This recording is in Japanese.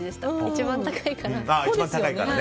一番高いから。